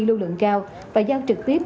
lưu lượng cao và giao trực tiếp